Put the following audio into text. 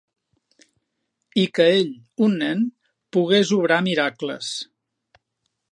I que ell, un nen, pogués obrar miracles.